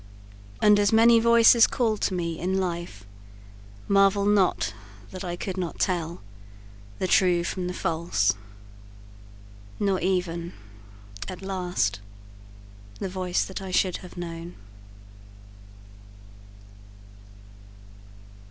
And as many voices called to me in life Marvel not that I could not tell The true from the false, Nor even, at last, the voice that I should have known.